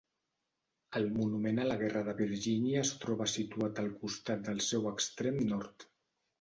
El Monument a la Guerra de Virgínia es troba situat al costat del seu extrem nord.